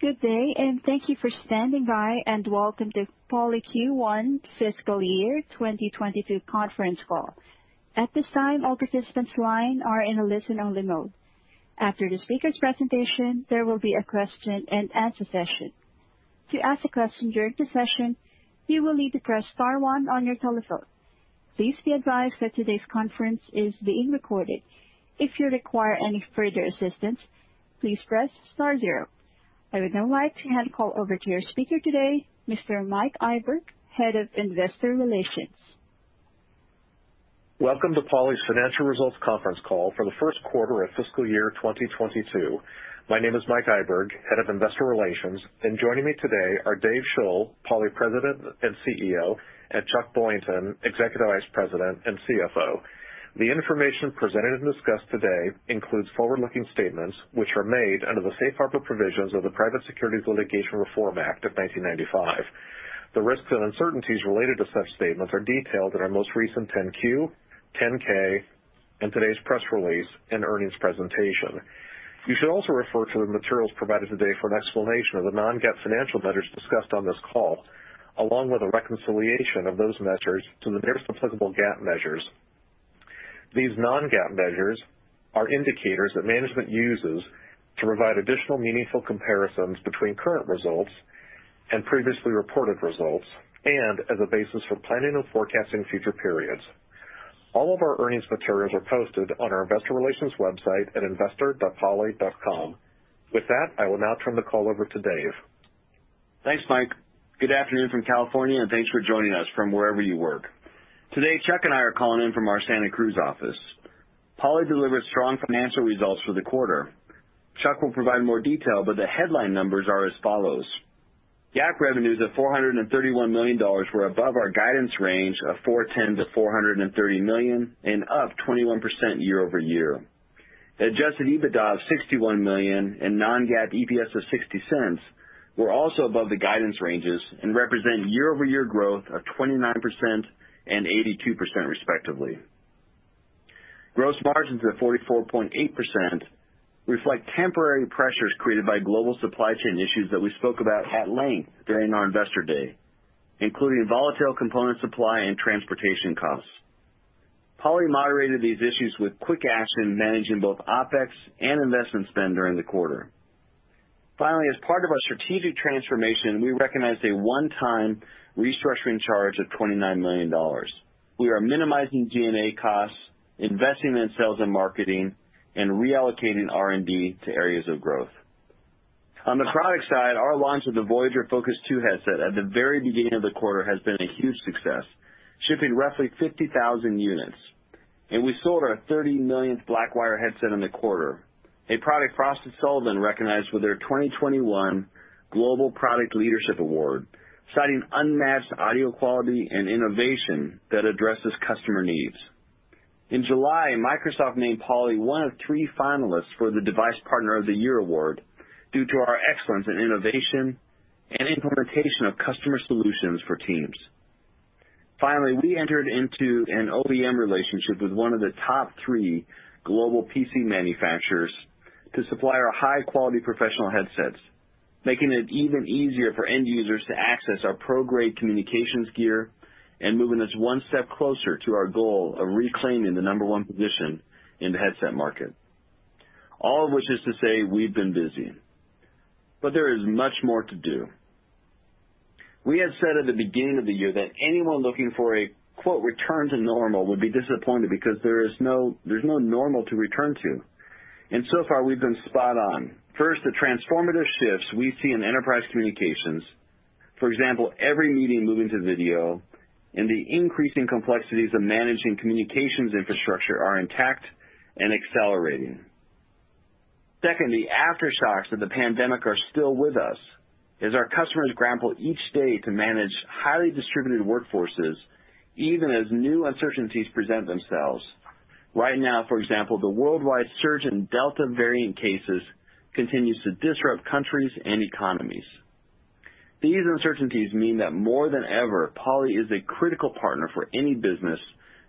Good day, thank you for standing by, and welcome to Poly Q1 fiscal year 2022 conference call. At this time, all participants' line are in a listen-only mode. After the speakers' presentation, there will be a question-and-answer session. To ask a question during the session, you will need to press star one on your telephone. Please be advised that today's conference is being recorded. If you require any further assistance, please press star zero. I would now like to hand call over to your speaker today, Mr. Mike Iburg, Head of Investor Relations. Welcome to Poly's Financial Results Conference Call for the first quarter of fiscal year 2022. My name is Mike Iburg, Head of Investor Relations, and joining me today are Dave Shull, Poly President and CEO, and Chuck Boynton, Executive Vice President and CFO. The information presented and discussed today includes forward-looking statements, which are made under the safe harbor provisions of the Private Securities Litigation Reform Act of 1995. The risks and uncertainties related to such statements are detailed in our most recent 10-Q, 10-K, and today's press release and earnings presentation. You should also refer to the materials provided today for an explanation of the non-GAAP financial measures discussed on this call, along with a reconciliation of those measures to the nearest applicable GAAP measures. These non-GAAP measures are indicators that management uses to provide additional meaningful comparisons between current results and previously reported results and as a basis for planning and forecasting future periods. All of our earnings materials are posted on our investor relations website at investor.poly.com. With that, I will now turn the call over to Dave. Thanks, Mike Iburg. Good afternoon from California, and thanks for joining us from wherever you work. Today, Chuck Boynton and I are calling in from our Santa Cruz office. Poly delivered strong financial results for the quarter. Chuck Boynton will provide more detail, but the headline numbers are as follows: GAAP revenues of $431 million were above our guidance range of $410 million-$430 million and up 21% year-over-year. Adjusted EBITDA of $61 million and non-GAAP EPS of $0.60 were also above the guidance ranges and represent year-over-year growth of 29% and 82% respectively. Gross margins at 44.8% reflect temporary pressures created by global supply chain issues that we spoke about at length during our Investor Day, including volatile component supply and transportation costs. Poly moderated these issues with quick action, managing both OpEx and investment spend during the quarter. Finally, as part of our strategic transformation, we recognized a one-time restructuring charge of $29 million. We are minimizing G&A costs, investing in sales and marketing, and reallocating R&D to areas of growth. On the product side, our launch of the Voyager Focus 2 headset at the very beginning of the quarter has been a huge success, shipping roughly 50,000 units. We sold our 30 millionth Blackwire headset in the quarter, a product Frost & Sullivan recognized with their 2021 Global Product Leadership Award, citing unmatched audio quality and innovation that addresses customer needs. In July, Microsoft named Poly one of three finalists for the Device Partner of the Year award due to our excellence in innovation and implementation of customer solutions for Teams. Finally, we entered into an OEM relationship with one of the top three global PC manufacturers to supply our high-quality professional headsets, making it even easier for end users to access our pro-grade communications gear and moving us one step closer to our goal of reclaiming the number one position in the headset market. All of which is to say, we've been busy. There is much more to do. We had said at the beginning of the year that anyone looking for a, quote, "return to normal" would be disappointed because there's no normal to return to. So far, we've been spot on. First, the transformative shifts we see in enterprise communications, for example, every meeting moving to video and the increasing complexities of managing communications infrastructure are intact and accelerating. Second, the aftershocks of the pandemic are still with us as our customers grapple each day to manage highly distributed workforces, even as new uncertainties present themselves. Right now, for example, the worldwide surge in Delta variant cases continues to disrupt countries and economies. These uncertainties mean that more than ever, Poly is a critical partner for any business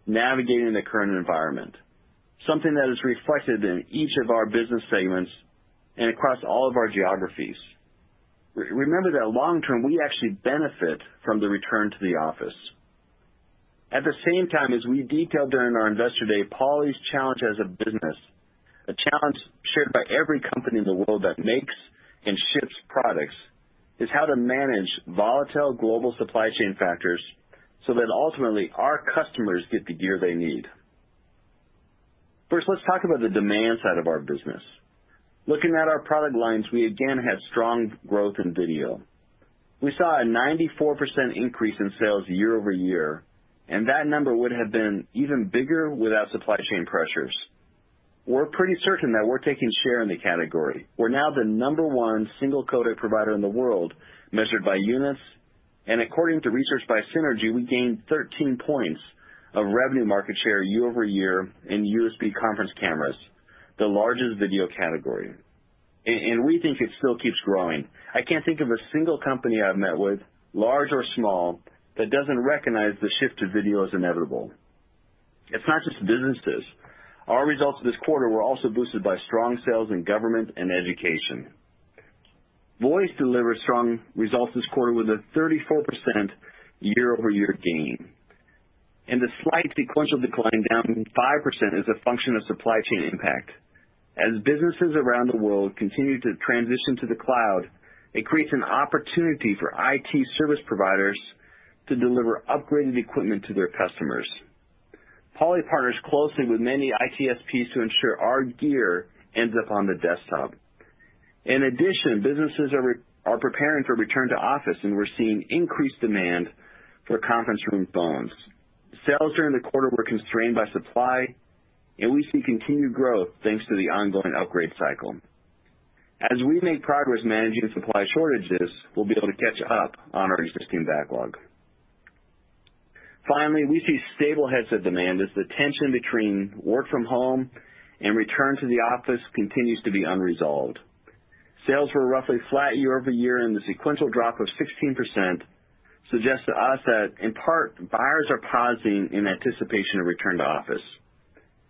navigating the current environment, something that is reflected in each of our business segments and across all of our geographies. Remember that long term, we actually benefit from the return to the office. At the same time, as we detailed during our Investor Day, Poly's challenge as a business, a challenge shared by every company in the world that makes and ships products, is how to manage volatile global supply chain factors so that ultimately our customers get the gear they need. First, let's talk about the demand side of our business. Looking at our product lines, we again had strong growth in video. We saw a 94% increase in sales year-over-year, and that number would have been even bigger without supply chain pressures. We're pretty certain that we're taking share in the category. We're now the number one single-codec provider in the world, measured by units, and according to research by Synergy, we gained 13 points of revenue market share year-over-year in USB conference cameras, the largest video category. We think it still keeps growing. I can't think of a single company I've met with, large or small, that doesn't recognize the shift to video is inevitable. It's not just businesses. Our results this quarter were also boosted by strong sales in government and education. Voice delivered strong results this quarter with a 34% year-over-year gain. A slight sequential decline, down 5%, is a function of supply chain impact. As businesses around the world continue to transition to the cloud, it creates an opportunity for IT service providers to deliver upgraded equipment to their customers. Poly partners closely with many ITSPs to ensure our gear ends up on the desktop. In addition, businesses are preparing for return to office, and we're seeing increased demand for conference room phones. Sales during the quarter were constrained by supply, and we see continued growth thanks to the ongoing upgrade cycle. As we make progress managing supply shortages, we'll be able to catch up on our existing backlog. Finally, we see stable headset demand as the tension between work from home and return to the office continues to be unresolved. Sales were roughly flat year-over-year, and the sequential drop of 16% suggests to us that in part, buyers are pausing in anticipation of return to office.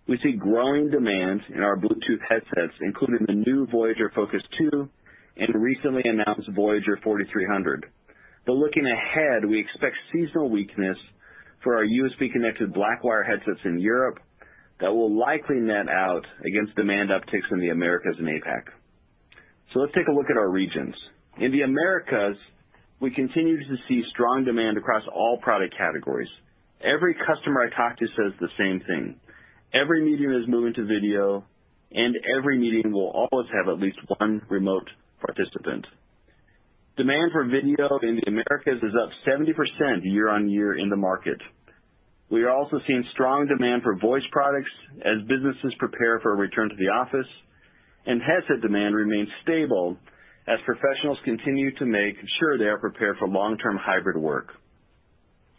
We see growing demand in our Bluetooth headsets, including the new Voyager Focus 2 and recently announced Voyager 4300. Looking ahead, we expect seasonal weakness for our USB-connected Blackwire headsets in Europe that will likely net out against demand upticks in the Americas and APAC. Let's take a look at our regions. In the Americas, we continue to see strong demand across all product categories. Every customer I talk to says the same thing. Every meeting is moving to video, and every meeting will always have at least one remote participant. Demand for video in the Americas is up 70% year-over-year in the market. We are also seeing strong demand for voice products as businesses prepare for a return to the office, and headset demand remains stable as professionals continue to make sure they are prepared for long-term hybrid work.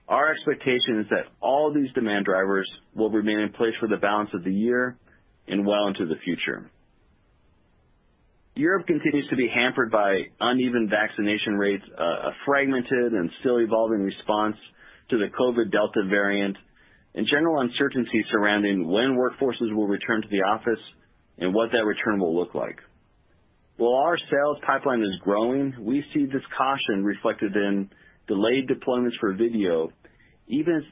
Our expectation is that all these demand drivers will remain in place for the balance of the year and well into the future. Europe continues to be hampered by uneven vaccination rates, a fragmented and still evolving response to the COVID Delta variant, and general uncertainty surrounding when workforces will return to the office and what that return will look like. While our sales pipeline is growing, we see this caution reflected in delayed deployments for video, even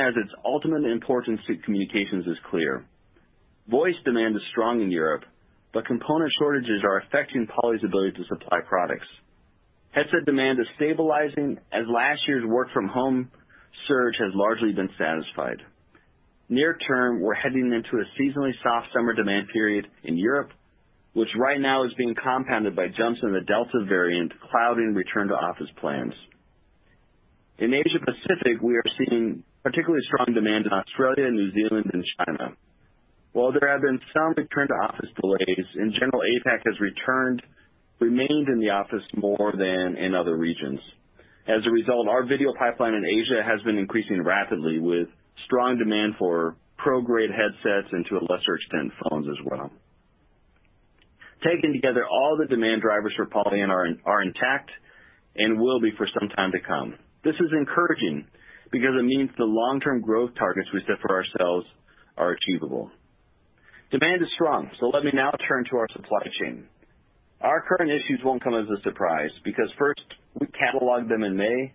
as its ultimate importance to communications is clear. Voice demand is strong in Europe, but component shortages are affecting Poly's ability to supply products. Headset demand is stabilizing as last year's work from home surge has largely been satisfied. Near term, we're heading into a seasonally soft summer demand period in Europe, which right now is being compounded by jumps in the Delta variant clouding return to office plans. In Asia Pacific, we are seeing particularly strong demand in Australia, New Zealand and China. While there have been some return to office delays, in general, APAC has remained in the office more than in other regions. As a result, our video pipeline in Asia has been increasing rapidly, with strong demand for pro-grade headsets and to a lesser extent, phones as well. Taken together, all the demand drivers for Poly are intact and will be for some time to come. This is encouraging because it means the long-term growth targets we set for ourselves are achievable. Demand is strong. Let me now turn to our supply chain. Our current issues won't come as a surprise because first, we cataloged them in May,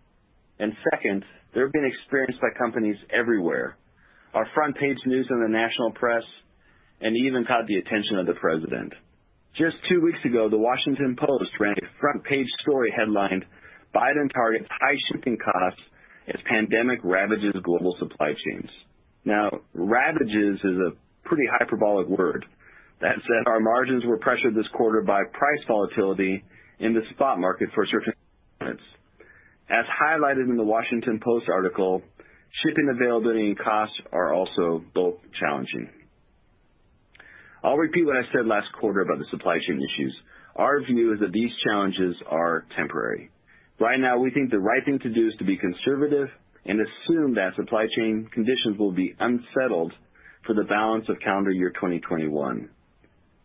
and second, they're being experienced by companies everywhere. Our front page news in the national press and even caught the attention of the president. Just two weeks ago, The Washington Post ran a front-page story headlined, "Biden Targets High Shipping Costs as Pandemic Ravages Global Supply Chains." Ravages is a pretty hyperbolic word. That said, our margins were pressured this quarter by price volatility in the spot market for certain components. As highlighted in The Washington Post article, shipping availability and costs are also both challenging. I'll repeat what I said last quarter about the supply chain issues. Our view is that these challenges are temporary. Right now, we think the right thing to do is to be conservative and assume that supply chain conditions will be unsettled for the balance of calendar year 2021.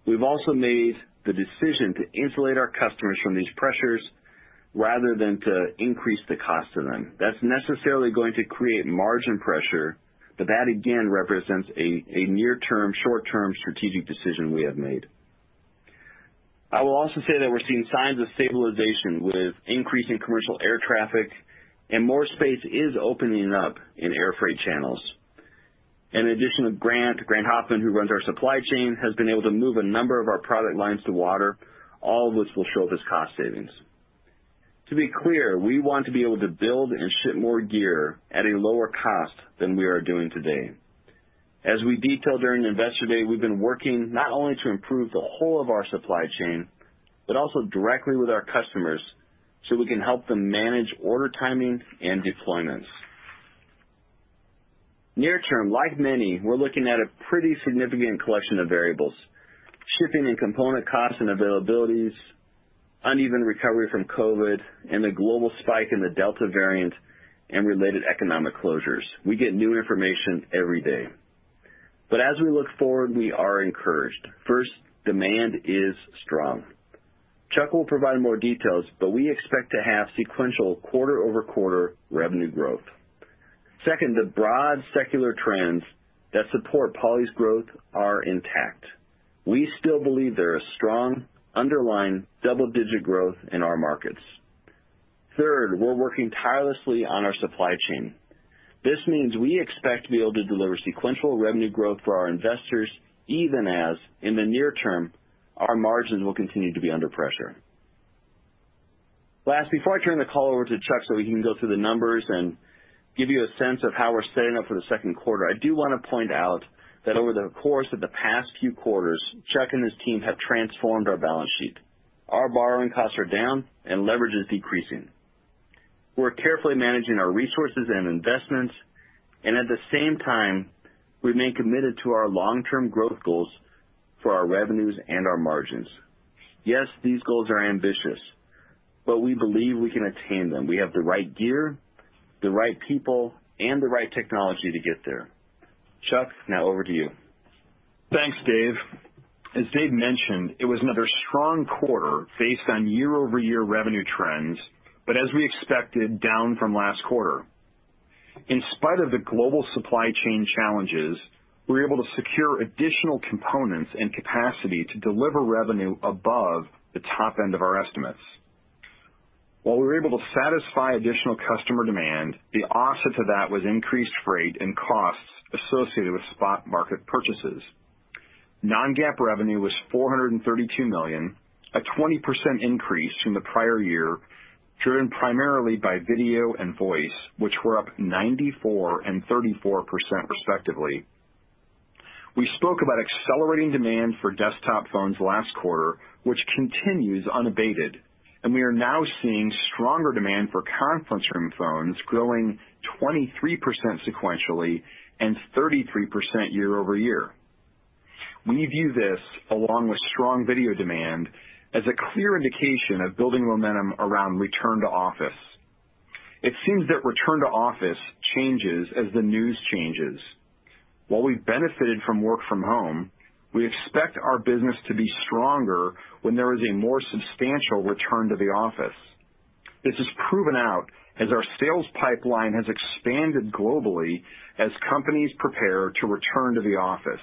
We've also made the decision to insulate our customers from these pressures rather than to increase the cost to them. That's necessarily going to create margin pressure, but that again represents a near-term, short-term strategic decision we have made. I will also say that we're seeing signs of stabilization with increasing commercial air traffic and more space is opening up in air freight channels. In addition, Grant Hoffman, who runs our supply chain, has been able to move a number of our product lines to water, all of which will show up as cost savings. To be clear, we want to be able to build and ship more gear at a lower cost than we are doing today. As we detailed during Investor Day, we've been working not only to improve the whole of our supply chain, but also directly with our customers so we can help them manage order timing and deployments. Near term, like many, we're looking at a pretty significant collection of variables, shipping and component costs and availabilities, uneven recovery from COVID, and the global spike in the Delta variant and related economic closures. We get new information every day. As we look forward, we are encouraged. First, demand is strong. Chuck will provide more details, but we expect to have sequential quarter-over-quarter revenue growth. Second, the broad secular trends that support Poly's growth are intact. We still believe there is strong underlying double-digit growth in our markets. Third, we're working tirelessly on our supply chain. This means we expect to be able to deliver sequential revenue growth for our investors, even as, in the near term, our margins will continue to be under pressure. Last, before I turn the call over to Chuck so he can go through the numbers and give you a sense of how we're setting up for the second quarter, I do want to point out that over the course of the past few quarters, Chuck and his team have transformed our balance sheet. Our borrowing costs are down, and leverage is decreasing. We're carefully managing our resources and investments, and at the same time, remain committed to our long-term growth goals for our revenues and our margins. Yes, these goals are ambitious, but we believe we can attain them. We have the right gear, the right people, and the right technology to get there. Chuck, now over to you. Thanks, Dave. As Dave mentioned, it was another strong quarter based on year-over-year revenue trends, as we expected, down from last quarter. In spite of the global supply chain challenges, we were able to secure additional components and capacity to deliver revenue above the top end of our estimates. While we were able to satisfy additional customer demand, the offset to that was increased freight and costs associated with spot market purchases. Non-GAAP revenue was $432 million, a 20% increase from the prior year, driven primarily by video and voice, which were up 94% and 34% respectively. We spoke about accelerating demand for desktop phones last quarter, which continues unabated, we are now seeing stronger demand for conference room phones, growing 23% sequentially and 33% year-over-year. We view this, along with strong video demand, as a clear indication of building momentum around return to office. It seems that return to office changes as the news changes. While we benefited from work from home, we expect our business to be stronger when there is a more substantial return to the office. This is proven out as our sales pipeline has expanded globally as companies prepare to return to the office.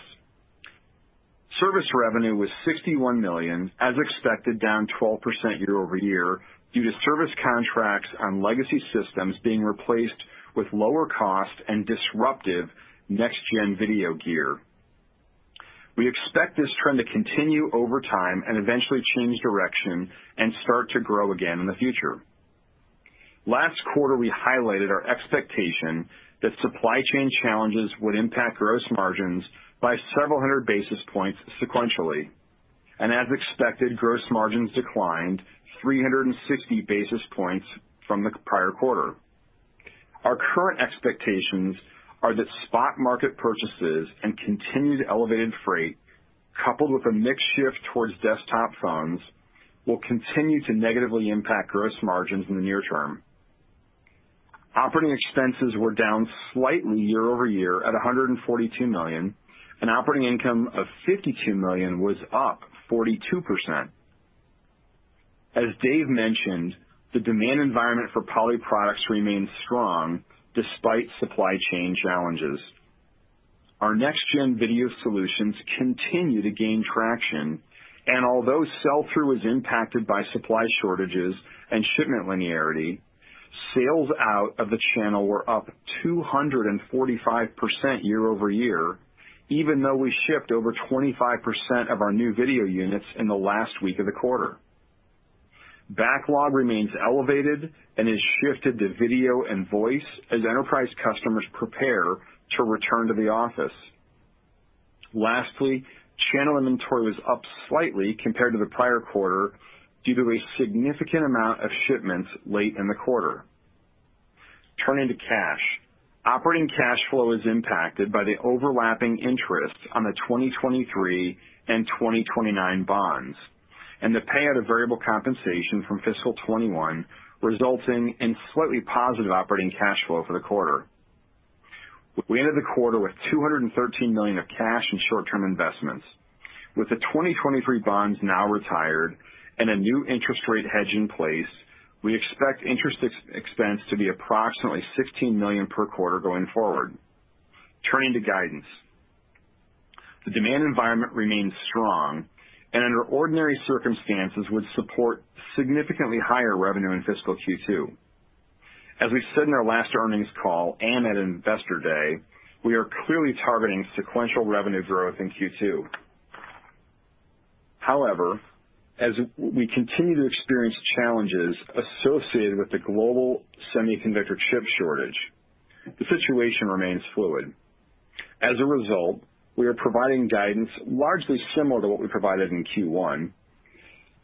Service revenue was $61 million, as expected, down 12% year-over-year due to service contracts on legacy systems being replaced with lower cost and disruptive next-gen video gear. We expect this trend to continue over time and eventually change direction and start to grow again in the future. Last quarter, we highlighted our expectation that supply chain challenges would impact gross margins by several hundred basis points sequentially. As expected, gross margins declined 360 basis points from the prior quarter. Our current expectations are that spot market purchases and continued elevated freight, coupled with a mix shift towards desktop phones, will continue to negatively impact gross margins in the near term. Operating expenses were down slightly year-over-year at $142 million, and operating income of $52 million was up 42%. As Dave mentioned, the demand environment for Poly products remains strong despite supply chain challenges. Our next-gen video solutions continue to gain traction. Although sell-through is impacted by supply shortages and shipment linearity, sales out of the channel were up 245% year-over-year, even though we shipped over 25% of our new video units in the last week of the quarter. Backlog remains elevated and has shifted to video and voice as enterprise customers prepare to return to the office. Channel inventory was up slightly compared to the prior quarter due to a significant amount of shipments late in the quarter. Turning to cash. Operating cash flow is impacted by the overlapping interest on the 2023 and 2029 bonds, and the payout of variable compensation from fiscal 2021 resulting in slightly positive operating cash flow for the quarter. We ended the quarter with $213 million of cash and short-term investments. With the 2023 bonds now retired and a new interest rate hedge in place, we expect interest expense to be approximately $16 million per quarter going forward. Turning to guidance. The demand environment remains strong and under ordinary circumstances would support significantly higher revenue in fiscal Q2. As we said in our last earnings call and at Investor Day, we are clearly targeting sequential revenue growth in Q2. However, as we continue to experience challenges associated with the global semiconductor chip shortage, the situation remains fluid. As a result, we are providing guidance largely similar to what we provided in Q1.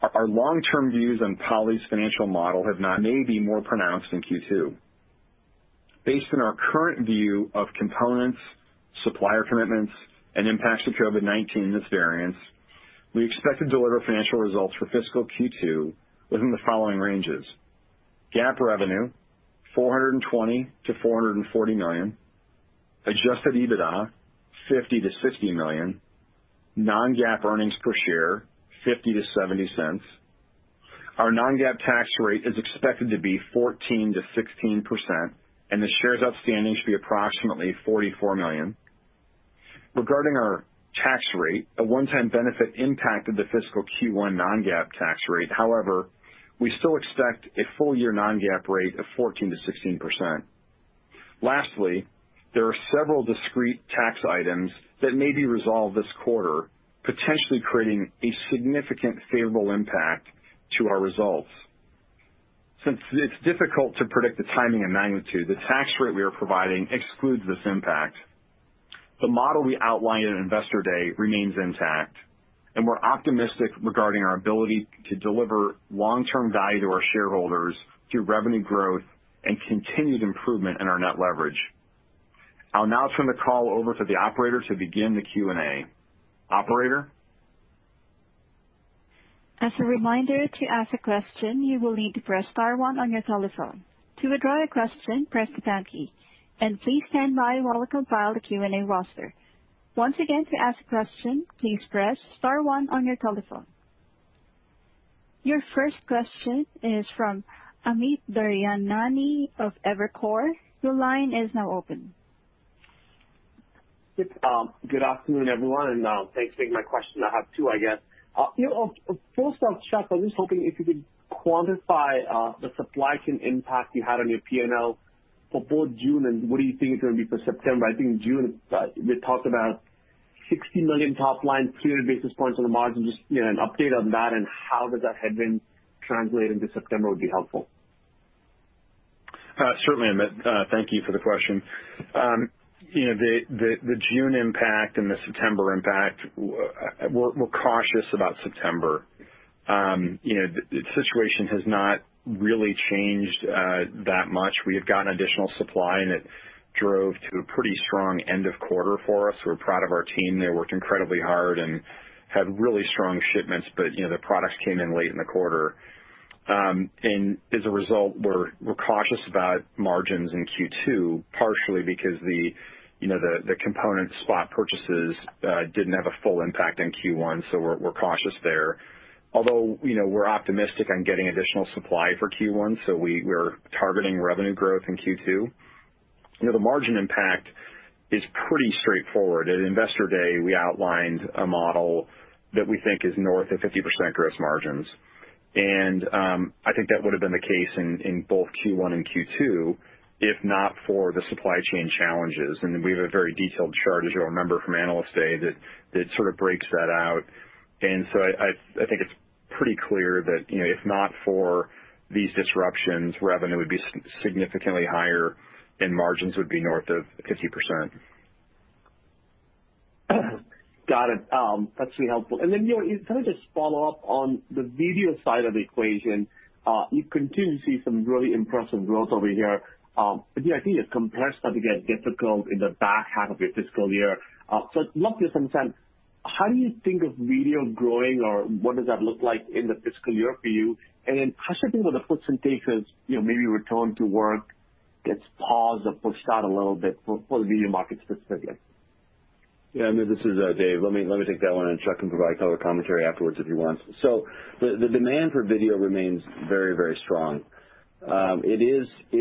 Our long-term views on Poly's financial model have not maybe more pronounced in Q2. Based on our current view of components, supplier commitments, and impacts of COVID-19 and its variants, we expect to deliver financial results for fiscal Q2 within the following ranges. GAAP revenue, $420 million-$440 million. Adjusted EBITDA, $50 million-$60 million. Non-GAAP earnings per share, $0.50-$0.70. Our non-GAAP tax rate is expected to be 14%-16%, and the shares outstanding should be approximately 44 million. Regarding our tax rate, a one-time benefit impacted the fiscal Q1 non-GAAP tax rate. We still expect a full-year non-GAAP rate of 14%-16%. Lastly, there are several discrete tax items that may be resolved this quarter, potentially creating a significant favorable impact to our results. Since it's difficult to predict the timing and magnitude, the tax rate we are providing excludes this impact. The model we outlined at Investor Day remains intact, and we're optimistic regarding our ability to deliver long-term value to our shareholders through revenue growth and continued improvement in our net leverage. I'll now turn the call over to the operator to begin the Q&A. Operator? As a reminder, to ask a question, you will need to press star one on your telephone. To withdraw your question, press the pound key. And please stand by while we compile the Q&A roster. Once again, to ask a question, please press star one on your telephone. Your first question is from Amit Daryanani of Evercore. Your line is now open. Good afternoon, everyone, and thanks for taking my question. I have two, I guess. First off, Chuck, I am just hoping if you could quantify the supply chain impact you had on your P&L for both June, and what do you think it is going to be for September. I think June, we talked about $60 million top line, 300 basis points on the margin. Just an update on that and how does that headwind translate into September would be helpful. Certainly, Amit. Thank you for the question. The June impact and the September impact, we're cautious about September. The situation has not really changed that much. We have gotten additional supply, and it drove to a pretty strong end of quarter for us. We're proud of our team. They worked incredibly hard and had really strong shipments, but the products came in late in the quarter. As a result, we're cautious about margins in Q2, partially because the component spot purchases didn't have a full impact in Q1, so we're cautious there. Although, we're optimistic on getting additional supply for Q1, so we're targeting revenue growth in Q2. The margin impact is pretty straightforward. At Investor Day, we outlined a model that we think is north of 50% gross margins, and I think that would've been the case in both Q1 and Q2 if not for the supply chain challenges. We have a very detailed chart, as you'll remember from Analyst Day, that sort of breaks that out. I think it's pretty clear that if not for these disruptions, revenue would be significantly higher, and margins would be north of 50%. Got it. That's really helpful. Can I just follow up on the video side of the equation. You continue to see some really impressive growth over here. I think the compares start to get difficult in the back half of your fiscal year. I'd love to get some insight on how do you think of video growing, or what does that look like in the fiscal year for you? How should I think about the puts and takes, maybe return to work gets paused or pushed out a little bit for the video market specifically? Yeah, Amit, this is Dave. Let me take that one, and Chuck can provide color commentary afterwards if he wants. The demand for video remains very strong. It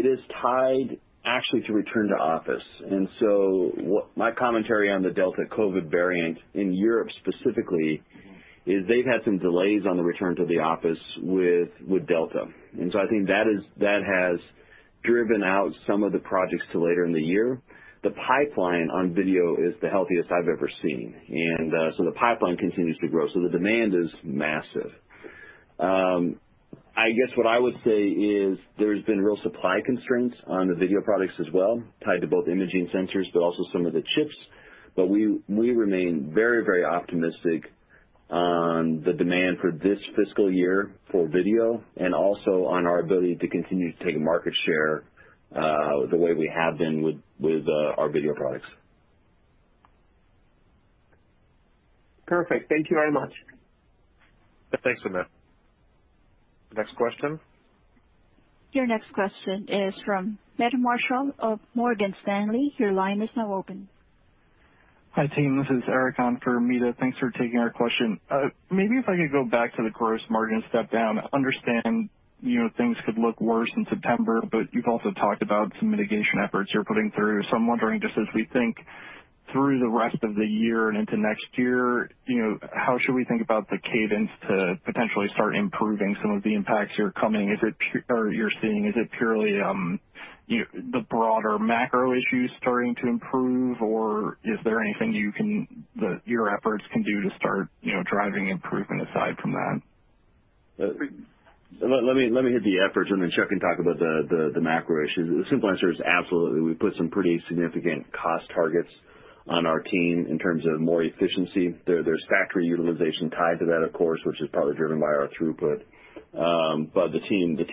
is tied actually to return to office. What my commentary on the Delta COVID variant in Europe specifically is they've had some delays on the return to the office with Delta. I think that has driven out some of the projects to later in the year. The pipeline on video is the healthiest I've ever seen. The pipeline continues to grow, so the demand is massive. I guess what I would say is there's been real supply constraints on the video products as well, tied to both imaging sensors, but also some of the chips. We remain very optimistic on the demand for this fiscal year for video and also on our ability to continue to take market share the way we have been with our video products. Perfect. Thank you very much. Thanks, Amit. Next question. Your next question is from Meta Marshall of Morgan Stanley. Your line is now open. Hi, team. This is Eric on for Meta. Thanks for taking our question. If I could go back to the gross margin step down. I understand things could look worse in September, but you've also talked about some mitigation efforts you're putting through. I'm wondering, just as we think through the rest of the year and into next year, how should we think about the cadence to potentially start improving some of the impacts you're seeing? Is it purely the broader macro issues starting to improve, or is there anything your efforts can do to start driving improvement aside from that? Let me hit the efforts. Chuck can talk about the macro issues. The simple answer is absolutely. We put some pretty significant cost targets on our team in terms of more efficiency. There's factory utilization tied to that, of course, which is partly driven by our throughput. The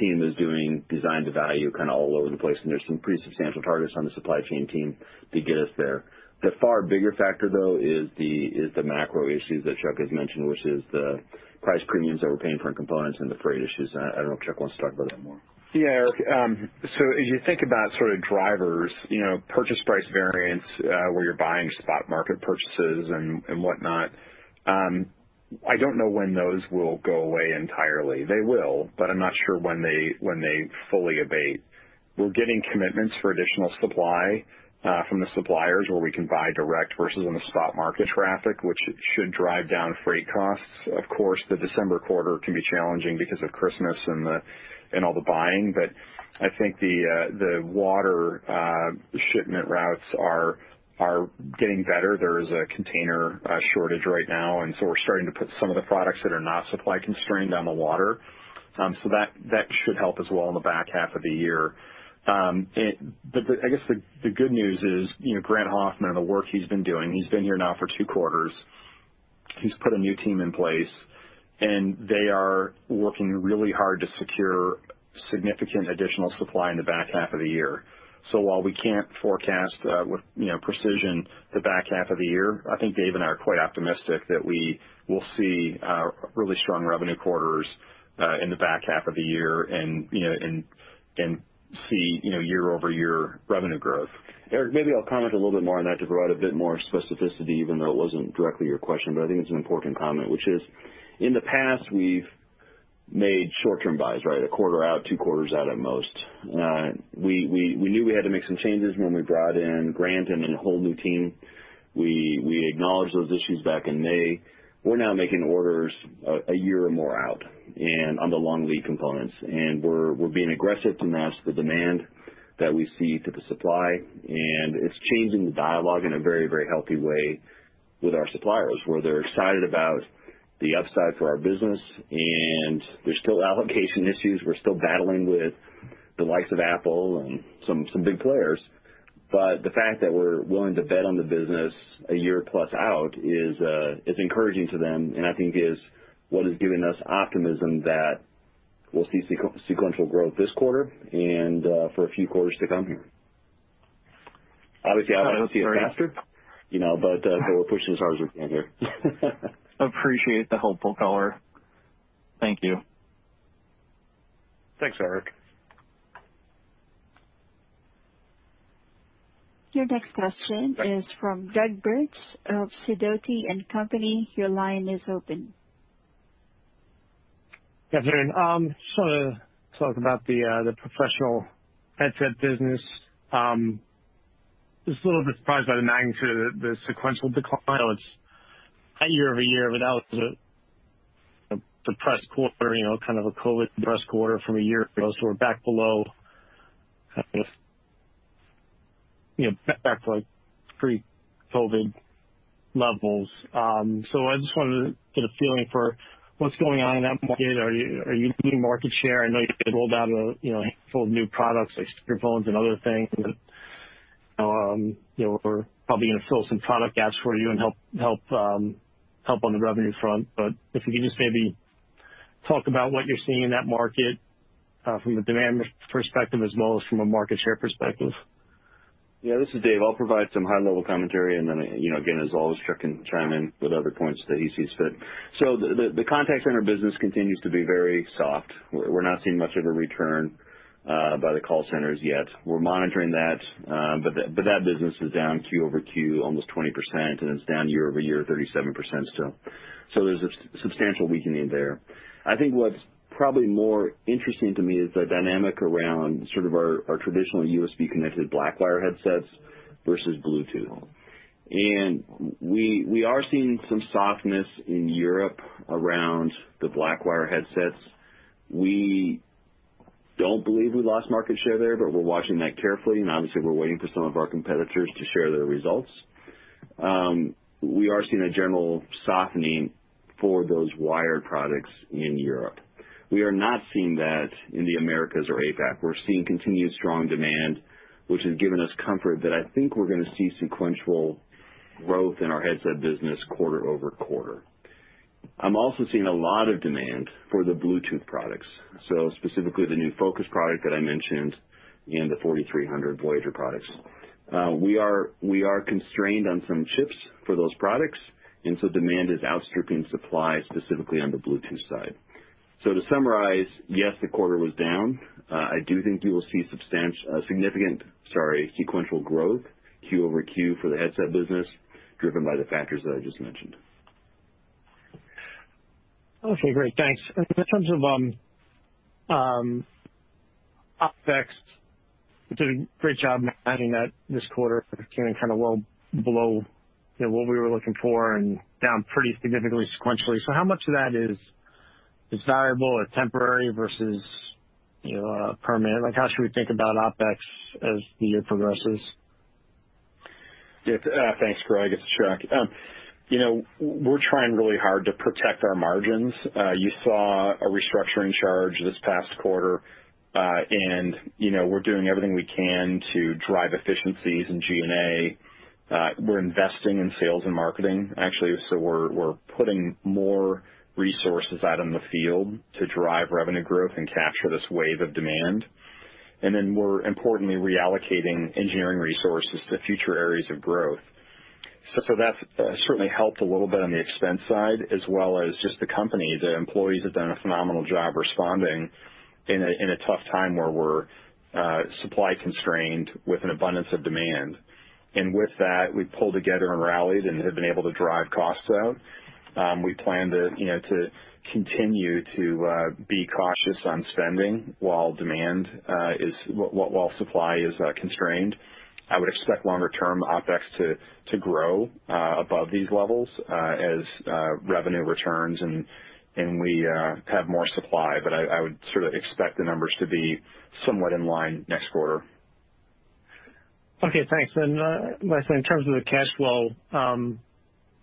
team is doing design to value kind of all over the place. There's some pretty substantial targets on the supply chain team to get us there. The far bigger factor, though, is the macro issues that Chuck has mentioned, which is the price premiums that we're paying for in components and the freight issues. I don't know if Chuck wants to talk about that more. Yeah, Eric. As you think about sort of drivers, purchase price variance, where you're buying spot market purchases and whatnot. I don't know when those will go away entirely. They will, but I'm not sure when they fully abate. We're getting commitments for additional supply from the suppliers where we can buy direct versus on the spot market traffic, which should drive down freight costs. Of course, the December quarter can be challenging because of Christmas and all the buying, but I think the water shipment routes are getting better. There is a container shortage right now. We're starting to put some of the products that are not supply constrained on the water. That should help as well in the back half of the year. I guess the good news is, Grant Hoffman and the work he's been doing, he's been here now for two quarters. He's put a new team in place. They are working really hard to secure significant additional supply in the back half of the year. While we can't forecast with precision the back half of the year, I think Dave and I are quite optimistic that we will see really strong revenue quarters in the back half of the year and see year-over-year revenue growth. Eric, maybe I'll comment a little bit more on that to provide a bit more specificity, even though it wasn't directly your question, but I think it's an important comment, which is, in the past, we've made short-term buys, right. A quarter out, two quarters out at most. We knew we had to make some changes when we brought in Grant and then a whole new team. We acknowledged those issues back in May. We're now making orders a year or more out and on the long lead components, and we're being aggressive to match the demand that we see to the supply, and it's changing the dialogue in a very healthy way with our suppliers, where they're excited about the upside for our business, and there's still allocation issues. We're still battling with the likes of Apple and some big players. The fact that we're willing to bet on the business a year plus out is encouraging to them and I think is what is giving us optimism that we'll see sequential growth this quarter and for a few quarters to come here. Obviously, I'd like to see it faster, but we're pushing as hard as we can here. Appreciate the hopeful color. Thank you. Thanks, Eric. Your next question is from Greg Burns of Sidoti & Company. Your line is open. Good afternoon. Just want to talk about the professional headset business. Just a little bit surprised by the magnitude of the sequential decline. It's high year-over-year, that was a depressed quarter, kind of a COVID depressed quarter from a year ago. We're back below pre-COVID levels. I just wanted to get a feeling for what's going on in that market. Are you gaining market share? I know you guys rolled out a handful of new products like speakerphones and other things that are probably going to fill some product gaps for you and help on the revenue front. If you could just maybe talk about what you're seeing in that market from a demand perspective as well as from a market share perspective. This is Dave. I'll provide some high-level commentary. As always, Chuck can chime in with other points that he sees fit. The contact center business continues to be very soft. We're not seeing much of a return by the call centers yet. We're monitoring that. That business is down Q-over-Q almost 20%, and it's down year-over-year 37% still. There's a substantial weakening there. I think what's probably more interesting to me is the dynamic around sort of our traditional USB-connected Blackwire headsets versus Bluetooth. We are seeing some softness in Europe around the Blackwire headsets. We don't believe we lost market share there. We're watching that carefully. Obviously, we're waiting for some of our competitors to share their results. We are seeing a general softening for those wired products in Europe. We are not seeing that in the Americas or APAC. We're seeing continued strong demand, which has given us comfort that I think we're going to see sequential growth in our headset business quarter-over-quarter. I'm also seeing a lot of demand for the Bluetooth products. Specifically the new Focus product that I mentioned and the 4300 Voyager products. We are constrained on some chips for those products, demand is outstripping supply specifically on the Bluetooth side. To summarize, yes, the quarter was down. I do think you will see significant sequential growth Q-over-Q for the headset business driven by the factors that I just mentioned. Okay, great. Thanks. In terms of OpEx, you did a great job managing that this quarter, came in kind of well below what we were looking for and down pretty significantly sequentially. How much of that is desirable or temporary versus permanent? How should we think about OpEx as the year progresses? Yeah, thanks, Greg. It's Chuck. We're trying really hard to protect our margins. You saw a restructuring charge this past quarter, and we're doing everything we can to drive efficiencies in G&A. We're investing in sales and marketing, actually, so we're putting more resources out in the field to drive revenue growth and capture this wave of demand. More importantly, reallocating engineering resources to future areas of growth. That certainly helped a little bit on the expense side as well as just the company. The employees have done a phenomenal job responding in a tough time where we're supply constrained with an abundance of demand. With that, we pulled together and rallied and have been able to drive costs out. We plan to continue to be cautious on spending while supply is constrained. I would expect longer term OpEx to grow above these levels as revenue returns and we have more supply. I would sort of expect the numbers to be somewhat in line next quarter. Okay, thanks. Lastly, in terms of the cash flow,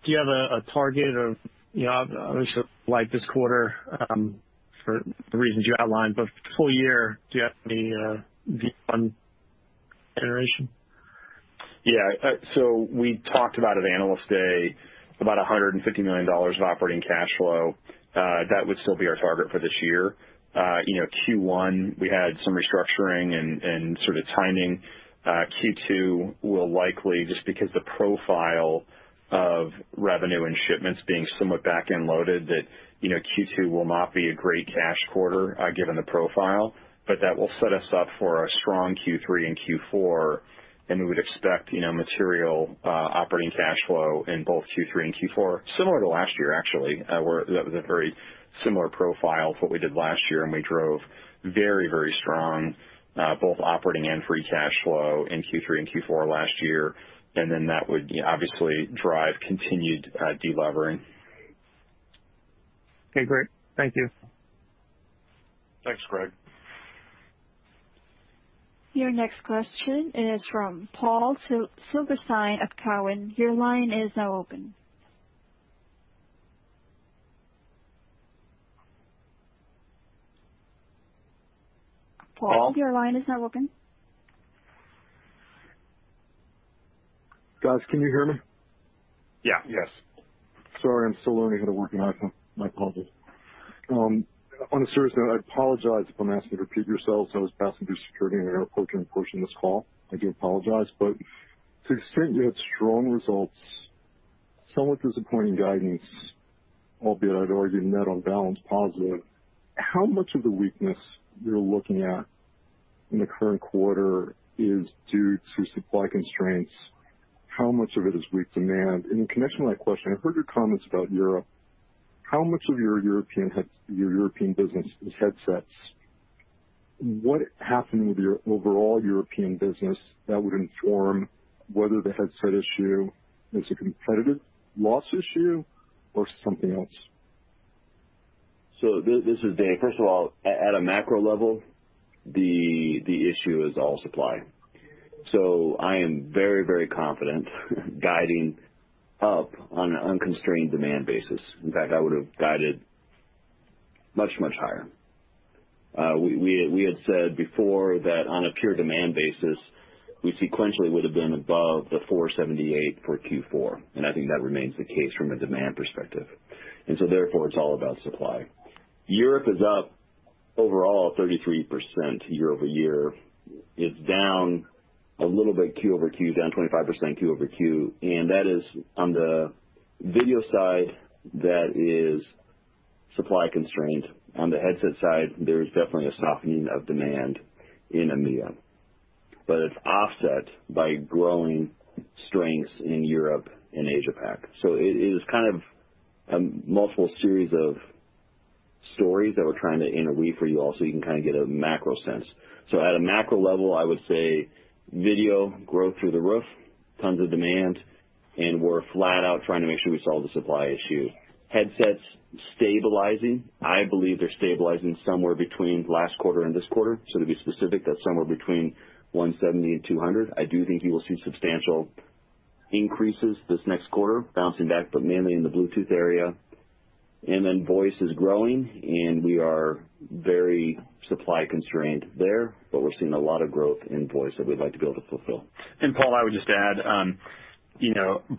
do you have a target or, I guess, like this quarter, for the reasons you outlined, but full year, do you have any view on generation? Yeah. We talked about, at Analyst Day, about $150 million of operating cash flow. That would still be our target for this year. Q1, we had some restructuring and sort of timing. Q2 will likely, just because the profile of revenue and shipments being somewhat back-end loaded, that Q2 will not be a great cash quarter given the profile. That will set us up for a strong Q3 and Q4, and we would expect material operating cash flow in both Q3 and Q4, similar to last year, actually. That was a very similar profile to what we did last year, and we drove very strong both operating and free cash flow in Q3 and Q4 last year, and then that would obviously drive continued de-levering. Okay, great. Thank you. Thanks, Greg. Your next question is from Paul Silverstein of Cowen. Your line is now open. Paul? Your line is now open. Guys, can you hear me? Yeah. Yes. Sorry, I'm still learning how to work the iPhone. My apologies. On a serious note, I apologize if I'm asking you to repeat yourselves. I was passing through security in an airport during a portion of this call. I do apologize. To the extent you had strong results, somewhat disappointing guidance, albeit I'd argue net on balance positive, how much of the weakness you're looking at in the current quarter is due to supply constraints? How much of it is weak demand? In connection to that question, I heard your comments about Europe. How much of your European business is headsets? What happened with your overall European business that would inform whether the headset issue is a competitive loss issue or something else? This is Dave. First of all, at a macro level, the issue is all supply. I am very confident guiding up on an unconstrained demand basis. In fact, I would've guided much higher. We had said before that on a pure demand basis, we sequentially would've been above the $478 million for Q4, and I think that remains the case from a demand perspective. Therefore, it's all about supply. Europe is up overall 33% year-over-year. It's down a little bit Q-over-Q, down 25% Q-over-Q, and that is on the video side, that is supply constraint. On the headset side, there's definitely a softening of demand in EMEA, but it's offset by growing strengths in Europe and Asia-Pac. It is kind of a multiple series of stories that we're trying to interweave for you all so you can kind of get a macro sense. At a macro level, I would say video growth through the roof, tons of demand, and we're flat out trying to make sure we solve the supply issue. Headsets stabilizing. I believe they're stabilizing somewhere between last quarter and this quarter. To be specific, that's somewhere between 170 and 200. I do think you will see substantial increases this next quarter bouncing back, but mainly in the Bluetooth area. Voice is growing, and we are very supply constrained there, but we're seeing a lot of growth in voice that we'd like to be able to fulfill. Paul, I would just add,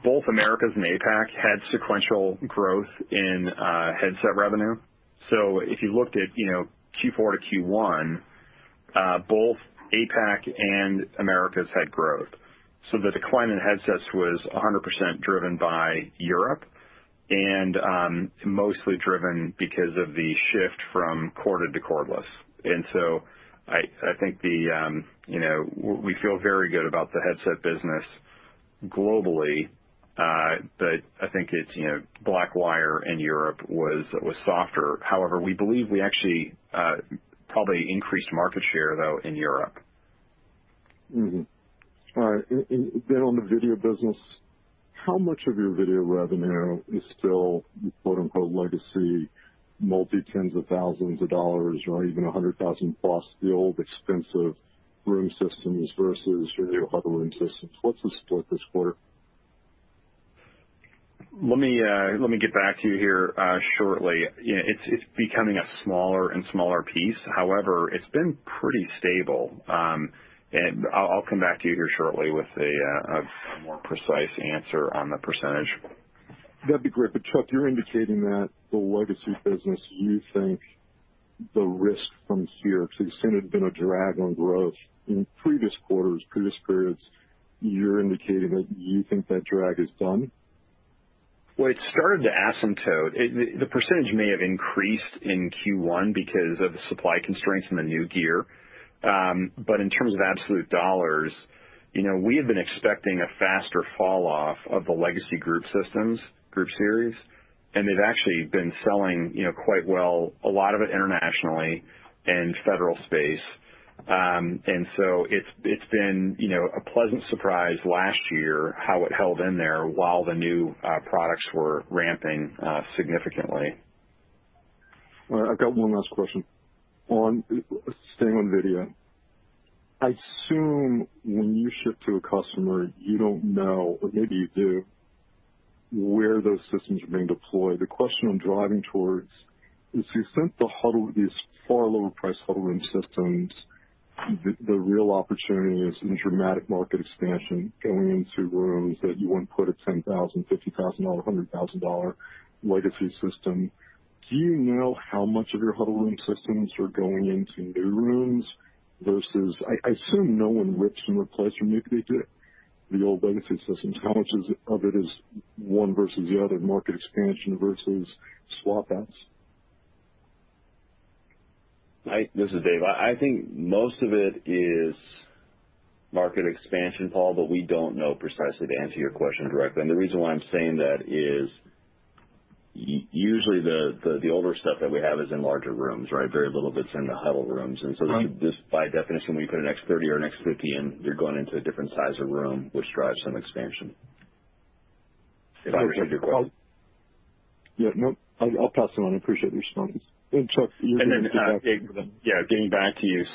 both Americas and APAC had sequential growth in headset revenue. If you looked at Q4 to Q1, both APAC and Americas had growth. The decline in headsets was 100% driven by Europe and mostly driven because of the shift from corded to cordless. I think we feel very good about the headset business globally. I think it's Blackwire in Europe was softer. However, we believe we actually probably increased market share, though, in Europe. All right. On the video business, how much of your video revenue is still, quote-unquote, "legacy multi-tens of thousands of dollars or even $100,000+," the old expensive room systems versus your new hardware room systems? What's the split this quarter? Let me get back to you here shortly. It's becoming a smaller and smaller piece. However, it's been pretty stable. I'll come back to you here shortly with a more precise answer on the percentage. That'd be great. Chuck, you're indicating that the legacy business, you think the risk from here, because it's been a drag on growth in previous quarters, previous periods, you're indicating that you think that drag is done? It started to asymptote. The percentage may have increased in Q1 because of the supply constraints in the new gear. In terms of absolute dollars, we have been expecting a faster falloff of the legacy group systems, Group Series, and they've actually been selling quite well, a lot of it internationally and federal space. It's been a pleasant surprise last year how it held in there while the new products were ramping significantly. All right, I've got one last question. Staying on video. I assume when you ship to a customer, you don't know, or maybe you do, where those systems are being deployed. The question I'm driving towards is, you sent these far lower priced huddle room systems, the real opportunity is in dramatic market expansion going into rooms that you wouldn't put a $10,000, $50,000, $100,000 legacy system. Do you know how much of your huddle room systems are going into new rooms versus, I assume no one rips and replaces, maybe they do, the old legacy systems. How much of it is one versus the other, market expansion versus swap outs? This is Dave. I think most of it is market expansion, Paul, but we don't know precisely to answer your question directly. The reason why I'm saying that is usually the older stuff that we have is in larger rooms, right? Very little of it's in the huddle rooms. Right. Just by definition, when you put an X30 or an X50 in, you're going into a different size of room, which drives some expansion. If I understood your question. Yeah, nope. I'll pass it on. Appreciate the responses. Chuck. Yeah, getting back to you.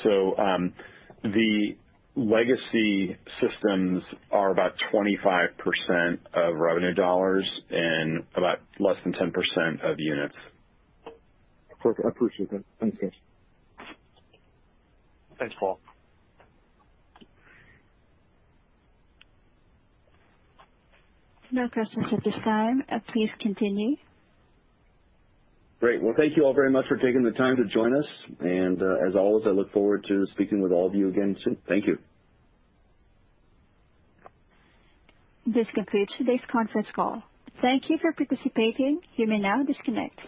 The legacy systems are about 25% of revenue dollars and about less than 10% of units. Perfect. I appreciate that. Thanks, guys. Thanks, Paul. No questions at this time. Please continue. Well, thank you all very much for taking the time to join us, and, as always, I look forward to speaking with all of you again soon. Thank you. This concludes today's conference call. Thank you for participating. You may now disconnect.